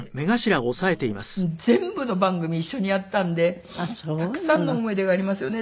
もう全部の番組一緒にやったんでたくさんの思い出がありますよね。